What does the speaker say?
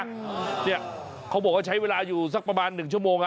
เนี่ยเขาบอกว่าใช้เวลาอยู่สักประมาณ๑ชั่วโมง